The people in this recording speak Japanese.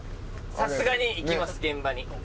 さすがに行きます現場に。